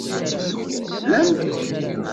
Teslamt.